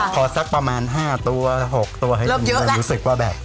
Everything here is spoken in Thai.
พอสักประมาณ๕๖ตัวให้รู้สึกว่าแบบ